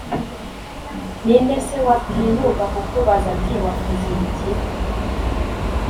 Ni nde se watinyuka kukubaza ati «Wakoze ibiki?»